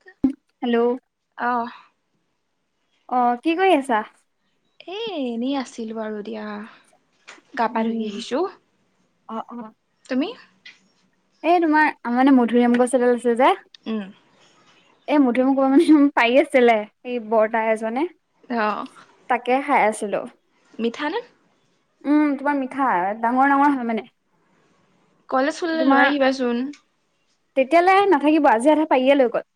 ত [unintelligible] hello, অঁ- অঁ কি কৰি আছা? এই এনেই আছিলোঁ আৰু এ দিয়া গা পা ধুই আহিছোঁ। অঁ অঁ তুমি? এই তোমাৰ, আমাৰ মানে মধুৰিআম গছ এডাল আছে যে উম এ মধুৰিআম মানে পাৰি আছিলে এই বৰ্তা এজনে অঁ তাকে খাই আছিলো। মিঠা নে উম তোমাৰ মিঠা ডাঙৰ ডাঙৰ হয় মানে কলেজ খুলিলে লৈ আহিবাচোন। তেতিয়ালৈ নাথাকিব আজি আধা পাৰিয়ে লৈ গ'ল,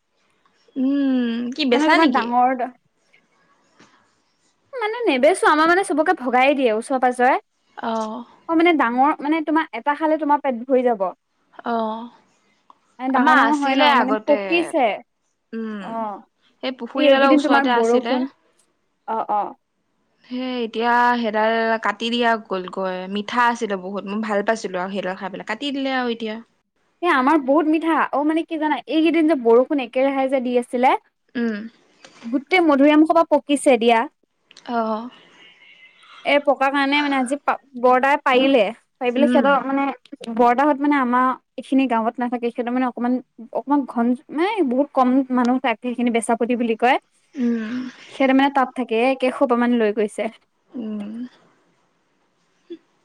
উম কি বেচা মানে তোমাৰ নেকি ডাঙৰ মানে নেবেচো আমাৰ মানে চবকে ভগাই দিয়ে ওচৰে পাজৰে অঁ অঁ মানে ডাঙৰ মানে তোমাৰ এটা খালে তোমাৰ পেট ভৰি যাব আহ মানে ডাঙৰ আমাৰ ডাঙৰ হয় ন আছিলে মানে আগতে। পকিছে অ উম, সেই এই পুখুৰীডালৰ এইকেইদিন তোমাৰ ওচৰতে আছিলে। বৰষুণ অ অ। হে এতিয়া সেইডাল কাটি দিয়া গ'লগৈ মিঠা আছিলে বহুত মই ভাল পাইছিলো আৰু সেইডাল খাই পেলাই কাটি দিলে আৰু এতিয়া এই আমাৰ বহুত মিঠা, অ মানে কি জানা এইকেইদিন যে বৰষুণ একেৰাহে যে দি আছিলে। উম। গোটেই মধুৰিআম সোপা পকিছে দিয়া। অঁ। এ পকাৰ কাৰণে মানে আজি বৰ্তাই পাৰিলে, পাৰি পেলাই উম সিহঁতৰ মানে বৰ্তাহত মানে আমাৰ এইখিনি গাঁৱত নাথাকে সিহঁতৰ মানে অকণমান অকমান ঘন মানাই বহুত কম মানুহ থাকে সেইখিনি বেচাপতি বুলি কয়। উম সেহত মানে তাত থাকে একে সোপা মান লৈ গৈছে। উ'ম।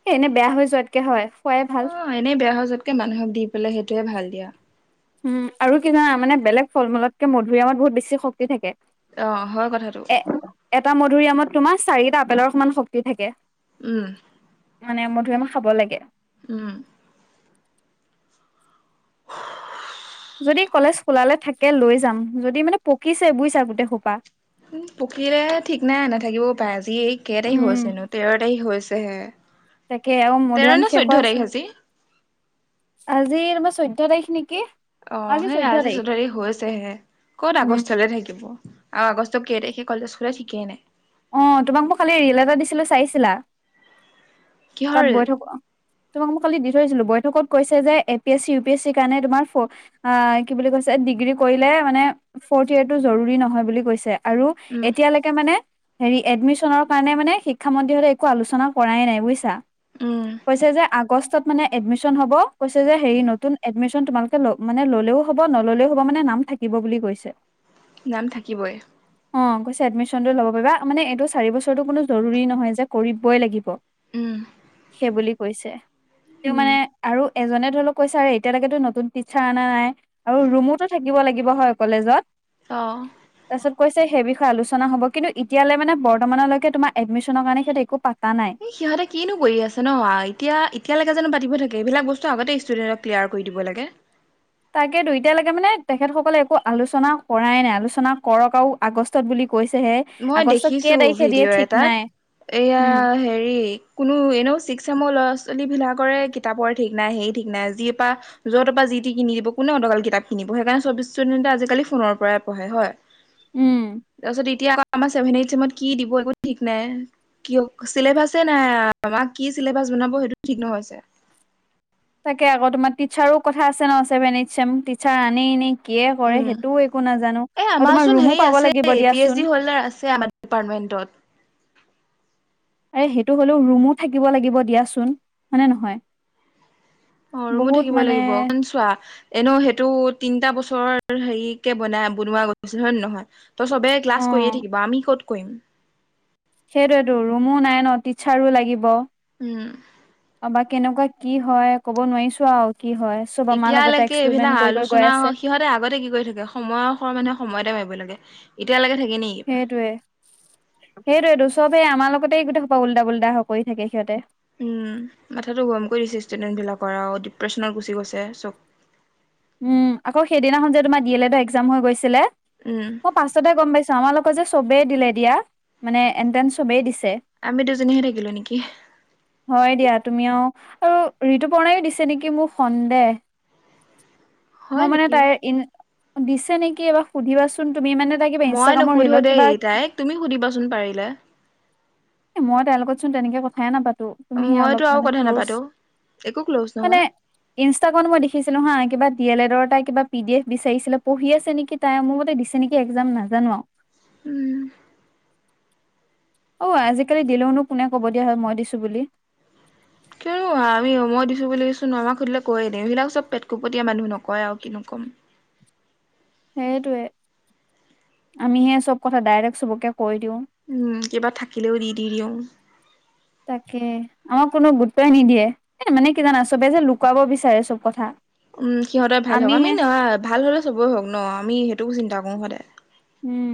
এ এনে বেয়া হৈ যোৱাতকে হয় খোৱাই ভাল। অ এনে বেয়া সজতকে মানুহক দি পেলাই সেইটোয়ে ভাল দিয়া। উ আৰু কিমা মানে বেলেগ ফল-মূলতকে মধুৰিআমত বহুত বেছি শক্তি থাকে। অ হয়, কথাটো। এ এটা মধুৰিআমত তোমাৰ চাৰিটা আপেলৰ সমান শক্তি থাকে। উম। মানে মধুৰিআম খাব লাগে। উম। যদি কলেজ খোলালে থাকে লৈ যাম, যদি মানে পকিছে বুজিছা গোটেই খোপা। উ পকিলে ঠিক নাই নাথাকিবও পাৰে, আজি এই কেই তাৰিখ হৈছেনো তেৰ তাৰিখ হৈছে হে তাকে আৰু তেৰ মধুৰিআম নে চৈধ্যয় তাৰিখ আজি? আজিৰ তোমাৰ চৈধ্য তাৰিখ নেকি? অ সেই আজি চৌধ তাৰিখ হৈছেহে, ক'ত উম আগষ্টলৈ থাকিব। আৰু আগষ্ট কেই তাৰিখে সে কলেজ খোলে ঠিকেই নাই। অ তোমাক মোক খালি ৰিল এটা দিছিলো চাইছিলা? কিহৰ তাত ৰেল? বৈ থক তোমাক মোক কালি দি থৈ আহিছিলো, বৈঠকত কৈছে যে--এ P S C, U P S চিৰ কাৰণে তোমাৰ অ কি বুলি কৈছে, ডিগ্ৰী কৰিলে মানে ফৰ্থ ইয়েৰটো জৰুৰী নহয় বুলি কৈছে। আৰু উম এতিয়ালৈকে মানে হেৰি এডমিশনৰ কাৰণে মানে শিক্ষামন্ত্ৰী হকলে একো আলোচনা কৰাই নাই বুজিছা? উম কৈছে যে আগষ্টত মানে এডমিচন হ'ব, কৈছে যে হেৰী নতুন এডমিচন তোমালোকে মানে ললেও হ'ব, নল'লেও হ'ব, মানে নাম থাকিব বুলি কৈছে। নাম থাকিবই। অ কৈছে এডমিশনটো লব পাৰিবা, মানে এইটো চাৰি বছৰো কোনো জৰুৰী নহয়, যে কৰি'বই লাগিব। উম সেইবোলি কৈছে। তেওঁ উম মানে আৰু এজনে ধৰি লওক কৈছে আৰু এতিয়ালৈকেতো নতুন টিচাৰ অনা নাই? আৰু ৰুমোতো থাকিব লাগিব হয়, কলেজত? অঁ। তাৰপিছত কৈছে সেই বিষয়ে আলোচনা হ'ব কিন্তু এতিয়ালৈ মানে, বৰ্তমানলৈকে তোমাৰ এডমিশনৰ কাৰণে সেইয়াত একো পাতা নাই। সিহঁতে কিনো কৰি আছে ন এতিয়া। এতিয়ালৈকোনো পাতিব থাকে, এইবিলাক বস্তু আগতে ষ্টুডেণ্টক ক্লিয়াৰ কৰি দিব লাগে। তাকে দু এতিয়ালৈকে মানে তেখেতসকলে একো আলোচনা কৰাই নাই, আলোচনা কৰক আৰু আগষ্টত বুলি কৈছেহে। মই আগষ্টত কেই দেখিছো তাৰিখে দিয়ে ভিডিঅ' ঠিক এটাত, নাই এয়া উম হেৰি কোনো এনেও ছিক্স চেমৰ ল'ৰা-ছোৱালীবিলাকৰে কিতাপৰ ঠিক নাই সেই ঠিক নাই যি পৰা য' তৰ পৰা যি, তি তিকিনি দিব কোনে অডকাল কিতাপ কিনিব, সেইকাৰণে চব ইচুডেনে আজিকালি ফোনৰ পৰাই পঢ়ে হয়? উম তাৰপাছত এতিয়া আকৌ আমাৰ চেভেন, এইত চেমত কি দিব একো ঠিক নাই। কিয় চিলেবাছে নাই, আমাক কি চিলেবাছ বনাব সেইটো ঠিক নহয়ছে। তাকে আকৌ তোমাৰ টিচাৰো কথা আছে ন চেভেন-এইট চেম টিচাৰ আনি এনেই কিয় কৰে উম সেইটোও একো নাজানো, এ তোমাৰ আমাৰচোন হেৰি ৰুমো পাব আছে লাগিব পি এইচ ডি দিয়াচোন। আছে আম ডিপাৰ্টমেণ্টত। আৰে সেইটো হলেও ৰুমো থাকিব লাগিব দিয়াচোন, হয়নে নহয়? অ ৰুমো বহুত থাকিব মানে লাগিব, কন চোৱা এনেও সেইটো তিনিটা বছৰৰ হেৰিকে বনাই বনোৱা গৈছিল হয়, ন নহয়? ত চবে অ ক্লাছ কৰিয়ে থাকিব, আমি ক'ত কৰিম। সেইটোৱে টো ৰুমো নাই ন টিচাৰো লাগিব? উ'ম। অ বা কেনেকুৱা কি হয়, ক'ব নোৱাৰিছো আৰু কি হয়। চব আমাৰ লগতে এতিয়ালৈকে এক্সপেৰিমেন্ট এইবিলাক কৰি কৰি গৈ আলোচনা আছে সিহঁতে আগতে কি কৰি থাকে? সময় খ মানুহে সময় এতে মাৰিব লাগে, এতিয়ালৈকে থাকে নি? সেইটোৱে সেইটোৱটো চবেই আমাৰ লগতে গোটেই সোপা উলত পোলতাবোৰ কৰি থাকে সিহঁতে। উম মাথাটো গৰম কৰি দিছে ষ্টুডেন্ট বিলাকৰ আৰু ডিপ্ৰেশচনত গুচি গৈছে চব। উম আকৌ সেইদিনাখন যে তোমাৰ ডি এল এডৰ একজাম হৈ গৈছিলে। উম। অই পাছতহে গম পাইছো আমা লগৰ যে চবেই দিলে দিয়া মানে এণ্ট্ৰেঞ্চ চবেই দিছে। আমি দুজনীহে থাকিলো নেকি। হয়, দিয়া তুমি আৰুও আৰু ঋতুপৰ্ণায়ো দিছে নেকি, মোৰ সন্দেহ? হয় মই মানে নেকি তাই, দিছে নেকি এইবাৰ সুধিবাচোন তুমি মানে কিবা মই ইনষ্টাগ্ৰামৰ নুসুধো ৰিলত দেই কিবা তাইক তুমি সুধিবাচোন পাৰিলে। এ মই তেওৰ লগত চোন তেনেকে কথাই নাপাতো। তুমিহে মইতো অলপ আৰু মানে কথা ক্ল'জ নাপাতো একো ক্ল'জ মানে নহয় ইনষ্টাগামত মই দেখিছিলো হা কিবা ডি এল এডৰ এটা কিবা পি ডি এফ বিচাৰিছিলে পঢ়ি আছে নেকি তাই মোৰ মতে দিছে নেকি একজাম নাজানো আও উম। অ আজিকালি দিলেওনো কোনে ক'ব দিয়া হয় মই দিছো বুলি। কিয়নো আমি মই দিছো বুলি চোন আমাক সুধিলে কৈয়ে দিও এই সেইবিলাক চব পেটকুপটীয়া মানুহ নকয় আও কিনো ক'ম? সেইটোৱে আমিহে চব কথা ডাইৰেক্ট চবকে কৈ দিও। উম কিবা থাকিলেও দি দি দিও। তাকে আমাক কোনো গুৰুত্বই নিদিয়ে এ মানে কি জানা চবে যে লুকোৱাব বিচাৰে চব কথা উম সিহঁতৰে ভাল হওক আমিহে আমি নহয় ভাল হ'লে চবেই হওক ন আমি সেইটো চিন্তা কৰো সদায়। উম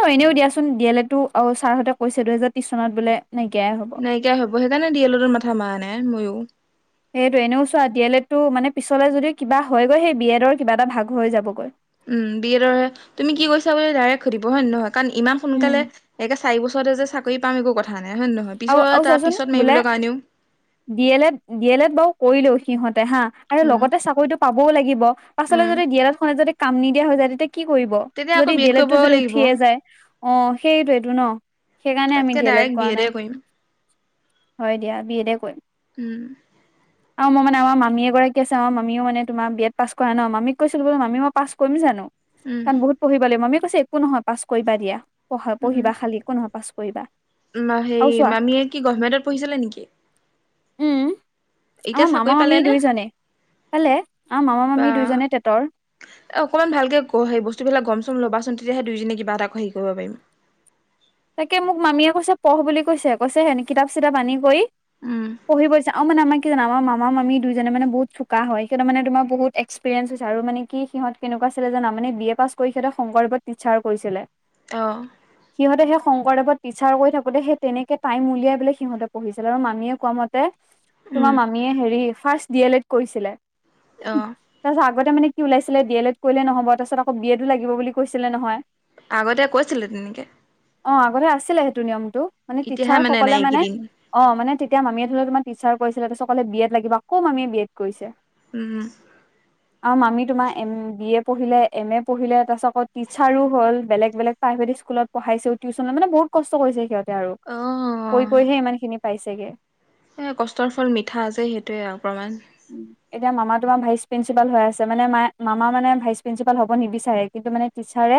অ এনেও দিয়াচোন ডি এল এডতো আৰু ছাৰহঁতে কৈছে দুহেজাৰ ত্ৰিশ চনত বোলে নাইকিয়াই হ'ব নাইকিয়াই হব সেইকাৰণে ডি এল এডৰ মাথা মৰা নাই ময়ো। সেইটো এনেও চোৱা ডি এল এড টো মানে পিছলে যদিও কিবা হয়গৈ সেই বি এডৰ কিবা এটা ভাগ হৈ যাবগৈ। উম বি এডৰ হে তুমি কি কৰিছা বুলি ডাইৰেক্ট সুধিব হয় নে নহয় কাৰণ ইমান উম সোনকালে একে চাৰি বছৰতে যে চাকৰি পাম একো কথা নাই হয় নহয় আৰু পিছৰ আৰু তাৰ চোৱাচোন পিছত বোলে মাৰিবলে কাৰণেও D L Ed D L Ed বাৰু কৰিলেও সিহঁতে হা আৰু উম লগতে চাকৰিতো পাবও লাগিব। পাছলে উম যদি ডি এল এডখনে যদি কাম নিদিয়া হৈ যায় তেতিয়া কি কৰিব তেতিয়া আকৌ যদি বি ডি এড এল কৰিব এডটো যদি লাগিব উঠিয়ে যায়। অ সেইটোৱেতো ন সেইকাৰণে আমি তাতকে D L Ed direct B কৰা এডে নাই। কৰিম হয় দিয়া বি এডে কৰিম। [inaudible] আও মই মানে আমা মামী এগৰাকী আছে আমাৰ মামীও মানে তোমাৰ বি এড পাছ কৰা ন মামীক কৈছো বোলো মামী মই পাছ কৰিম জানো। উম। কাৰণ বহুত পঢ়িব লাগিব মামীয়ে কৈছে একো নহয় পাছ কৰিবা দিয়া পঢ়া পঢ়িবা খালি একো নহয় পাছ কৰিবা। উম হেই আৰু চোৱা মামীয়ে কি গভমেণ্টত পঢ়িছিলে নেকি উম। এতিয়া আমাৰ চাকৰি মামা পালে মামী নে? দুইজনে, পালে আমা মামা বা মামী দুইজনে টেটৰ এ অকনমান ভালকে ক সেই বস্তু বিলাক গম চম ল'বাচোন তেতিয়াহে দুইজনীয়ে কিবা এটা ক হেৰি কৰিব পাৰিম। তাকে মোক মামীয়ে কৈছে পঢ় বুলি কৈছে কৈছে হেন কিতাপ চিতাপ আনি কৰি উম পঢ়িব দিছে। আও মানে আমাৰ কি জানা আমাৰ মামা মামী দুইজনে মানে বহুত চোকা হয় সিহঁত মানে তোমাৰ বহুত এক্সপেৰিেঞ্চ হৈছে আৰু মানে কি সিহঁত কেনেকোৱা আছিলে জানা মানে বি এ পাছ কৰি সিহঁতে শংকৰদেৱত টিছাৰ কৰিছিলে। এ অ সিহঁতে সে শংকৰদেৱত টিচাৰ কৰি থাকোতে সেই তেনেকে টাইম উলিয়াই পেলাই সিহঁতে পঢ়িছিলে আৰু মামীয়েে কোৱা মতে উম তোমাৰ মামীয়ে হেৰি ফাৰ্ষ্ট ডি এল এড কৰিছিলে। অ। তাৰপাছত আগতে মান কি ওলাইছিলে ডি এল এড কৰিলে নহ'ব তাৰ পছত আকৌ বি এডো লাগিব বুলি কৈছিলে নহয়। আগতে কৈছিলে তেনেকে অ আগতে আছিলে সেইটো নিয়মটো মানে এতিয়াহে টিচাৰ নাই সকলে মানে এইকেইদিন অ মানে তেতিয়া মামীয়ে ধৰি লোৱা তোমাৰ টিচাৰ কৰিছিলে তাছত কলে বি এড লাগিব আকৌ মামীয়ে বি এড কৰিছে। উম। আৰু মামি তোমাৰ এম বি এ পঢ়িলে এম এ পঢ়িলে তাৰপিছত আকৌ টিচাৰো হ'ল বেলেগ বেলেগ প্ৰাইভেট স্কুলত পঢ়াইছেও টিউচন মানে বহুত কষ্ট কৰিছে সিহঁতে আৰু, কৈ অ' কৈহে ইমানখিনি পাইছেগে। এই কষ্টৰ ফল মিঠা আছে সেইটোৱে আও প্ৰমাণ। উম। এতিয়া মামা তোমাৰ ভাইচ প্ৰিন্সিপাল হৈ আছে মানে মাই মামা মানে ভাইচ প্ৰিন্সিপাল হ'ব নিবিচাৰে কিন্তু মানে টিচাৰে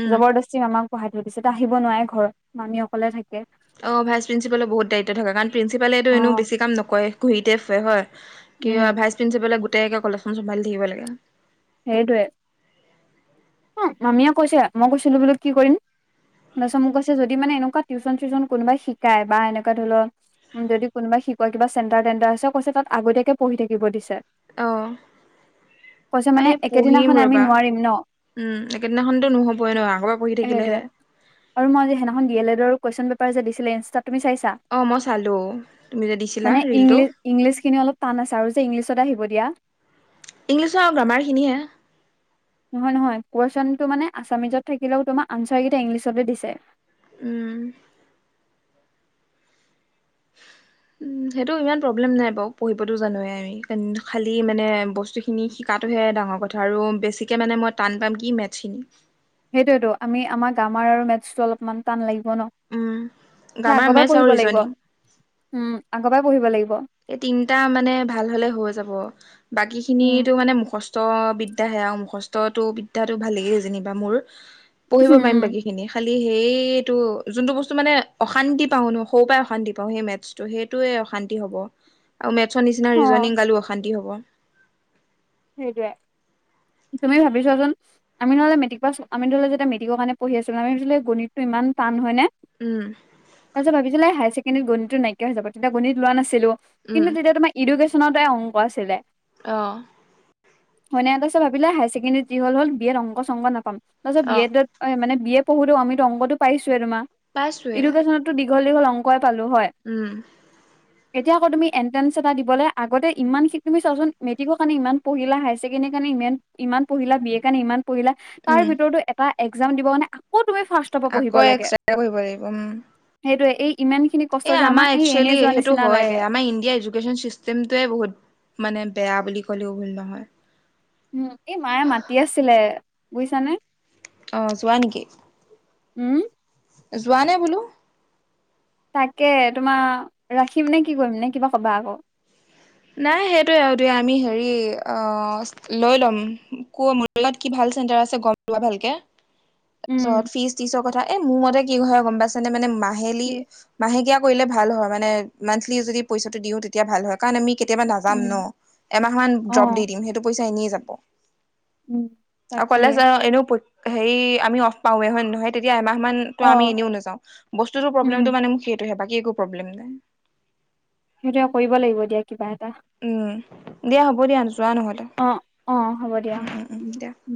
উম। জবৰদস্তি মামাক পঢ়াই থৈ দিছে ত আহিব নোৱাৰে ঘৰত মামী অকলে থাকে। অ ভাইচ প্ৰিন্সিপালৰ বহুত দায়িত্ব থকাে কাৰণ প্ৰিন্সিপালেটো এনে অ', বেছি কাম নকৰে ঘুহিতে ফুৱে হয়। উম, কিয় ভাই প্ৰিন্সিপালে গোটেই কলেজখন চম্ভালি থাকিব লাগে। সেইটোৱে অ মামীয়ে কৈছে মই কৈছিলো বোলো কি কৰিম। তাৰপিছত মোক কৈছে যদি মানে এনেকুৱা টিউশ্যন চিউচনো কোনোবাই শিকায় বা এনেকুৱা ধৰি ল উ যদি কোনোবাই শিকোৱা কিবা চেণ্টাৰ টেণ্টাৰ আছে কৈছে তাত আগতীয়াকে পঢ়ি থাকিব দিছে। অ' কৈছে এই মানে পঢ়িম একেদিনাখনে আমি ৰবা নোৱাৰিম ন। উম একেদিনাখনতো নহ'বই ন, আগ সেইটোৱে, আৰু মই যে সেইদিনাখন ডি এল এডৰ কুৱেশচন পেপাৰ যে দিছিলে ইনষ্টাত তুমি চাইছা? অ মই চালো তুমি যে দিছিলা মানে ৰিলটো। ইংলিছ ইংলিছ খিনি অলপ টান আছে আৰু যে ইংলিছত আহিব দিয়া ইংলিছৰ আৰু গ্ৰামাৰখিনিয়হে। নহয় নহয়। কুৱেশনটো মানে আছামিজত থাকিলেও তোমাৰ আনচাৰকেইটা ইংলিছতে দিছে। উম। উম সেইটো ইমান প্ৰব্লেম নাই বাও, পঢ়িবতো জানোৱে আমি খালি মানে বস্তু খিনি শিকাটোহে ডাঙৰ কথা আৰু বেছিকে মানে মই টান পাম কি মেথছখিনি। সেইটোৱেতো আমি আমাৰ গ্ৰামাৰ আৰু মেথছটো অলপমান টান লাগিব ন। উম সে গ্ৰামাৰ আগৰপাই মেথছ আৰু পঢ়িব লাগিব, ৰিজনিং উম আগৰপাই পঢ়িব লাগিব। এই তিনিটা মানে ভাল হলে হৈ যাব, বাকী উম, খিনিটো মানে মুখষ্ট [unintelligible] বিদ্যাহে আও মুখস্তটো বিদ্যাটো ভাল লাগি যেনিবা মোৰ, পঢ়িব উম, পাৰিম বাকী এনেই খালি সেইটো যোনটো বস্তু মানে অশান্তি পাওঁ ন সৰু পৰাই অশান্তি পাওঁ সেই মেথছ ত' সেইটোয়ে অশান্তি হব, আৰু মেথছৰ নিচিনা অ', ৰিজনিং গালো অশান্তি হ'ব। সেইটোৱে, তুমি ভাবিছোৱাচোন আমি নহলে মেট্ৰিক পাছ আমি ধৰি ল যেতিয়া মেটিক কাৰণে পঢ়ি আছিলো, আমি ভাবিছিলোঁ গণিতটো ইমান টান হয়নে? উম। তাৰ পিছত ভাবিছিলে হায়াৰ ছেকেণ্ডাৰী গণিতটো নাইকিয়া হৈ যাব তেতিয়া গণিত লোৱা নাছিলো, উম কিন্তু তেতিয়া তোমাৰ ইডুকেশ্যনতে অংক আছিলে। অ হয়নাই তাৰপাছত ভাবিলে হায়াৰছেকেণ্ডেৰীত জি হল হল বি এত অংক সংক নাপাম তাৰিছত অ বি এডত অ মানে বি এ পঢ়োতেও আমিতো অংকটো পাইছোৱে তোমাৰ, পাইছোৱে এডকেশ্যনত দীঘল দীঘল অংকই পালো হয়। উম। এতিয়া আকৌ তুমি এণ্ট্ৰেঞ্চ এটা দিবলে আগতে ইমানখিনি তুমি চোৱাচোন মেট্ৰিক ইমান পঢ়িলা হায়াৰ চেকেণ্ডাৰী কাৰণে ইমান ইমান পঢ়িলা বি এ কাৰণে ইমান পঢ়িলা তাৰ উম ভিতৰতো এটা একজাম দিব কাৰণে আকৌ তুমি ফাৰ্ষ্টৰ পৰা পঢ়িব আকৌ লাগে, এক্সট্ৰা কৰিব লাগিব উম সেইটোয়ে এই ইমান খিনি কষ্ট এ যে আমাৰ এই এনে একচুৱেলি যোৱা সেইটো নিচিনা হয়, লাগে আমাৰ ইণ্ডিয়াৰ এডুকেছন চিষ্টেমটোৱে বহুত মানে বেয়া বুলি ক'লেও ভুল নহয়। উ এই মায়ে মাতি আছিলে বুইছানে। অ যোৱা নেকি? উম। যোৱা নে বোলো তাকে তোমাৰ ৰাখিম নে কি কৰিম নে কিবা ক'বা আকৌ। নাই সেইটোৱে আও দিয়া, আমি হেৰি অ লৈ ল'ম, কো মোৰ লগত কি ভাল চেণ্টাৰ আছে গম লোৱা ভালকে [unintelligible] উম তাৰপিছত ফিজ তিচৰ কথা এ মোৰ মতে কি হয় গম পাইছানে মানে মাহেলী কি মাহেকীয়া কৰিলে ভাল হয় মানে মান্থলি যদি পইচাটো দিওঁ তেতিয়া ভাল হয় কাৰণ আমি কেতিয়াবা নাযাম উম ন'এমাহ মান অ ড্ৰপ দি দিম সেইটো পইচা এনেই যাব। উম আও তাকে কলেজ আও এনেও [unintelligible] হেৰি আমি অফ পাওৱে হয় নহয় সেই তেতিয়া এমাহ মান ত অ 'আমি এনেও নেযাওঁ বস্তুটো উম প্ৰব্লেমটো মানে মোক সেইটোহে বাকি একো প্ৰব্লেম নাই। সেইটোৱে কৰিব লাগিব এতিয়া কিবা এটা। উম, দিয়া হ'ব দিয়া যোৱা নহলে। অ', অ', হ'ব দিয়া উম। উম